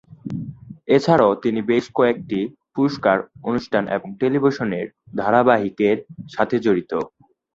এছাড়াও তিনি বেশ কয়েকটি পুরস্কার অনুষ্ঠান এবং টেলিভিশন ধারাবাহিকের সাথেও জড়িত।